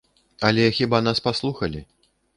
Але хіба нас паслухалі?